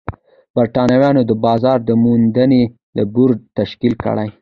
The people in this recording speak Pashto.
برېټانویانو د بازار موندنې بورډ تشکیل کړ.